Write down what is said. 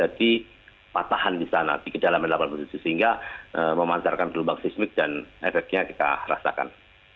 jadi patahan di sana di kejalanan laba musisi sehingga memancarkan gelombang seismik dan efeknya kita rasakan